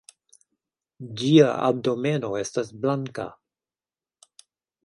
Ĝia abdomeno estas blanka.